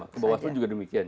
ke bawaslu juga demikian